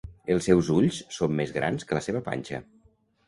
Els seus ulls són més grans que la seva panxa.